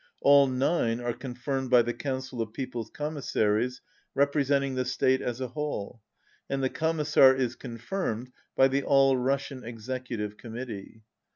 All nine are confirmed by the Council of People's Com missaries, representing the state as a whole, and the Commissar is confirmed by the All Russian Executive Committee."